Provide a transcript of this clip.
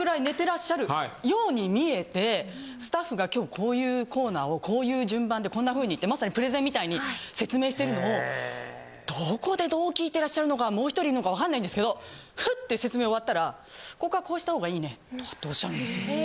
寝てらっしゃるように見えてスタッフが今日こういうコーナーをこういう順番でこんなふうにってまさにプレゼンみたいに説明してるのもどこでどう聞いてらっしゃるのかもう１人いるのかわかんないんですけどフッて説明終わったら「ここはこうした方がいいね」とかっておっしゃるんですよ。